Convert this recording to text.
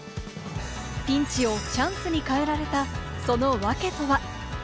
ピンチをチャンスに変えられたその訳とは？